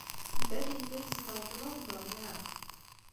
Bell yella yezdeɣ deg London, naɣ?